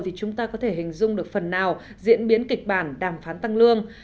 thì chúng ta có thể hình dung được phần nào diễn biến kịch bản đàm phán tăng lương